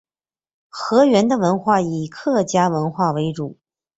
河源的文化以客家文化为主。